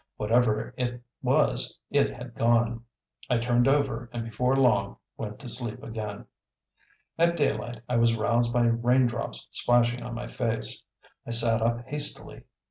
Whatever it was it had gone. I turned over and before long went to sleep again. At daylight I was roused by raindrops splashing on my face. I sat up hastily.